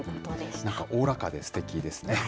なんかおおらかですてきですね。